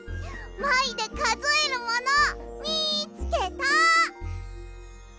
「まい」でかぞえるものみつけた！